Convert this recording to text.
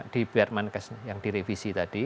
di barman kes yang direvisi tadi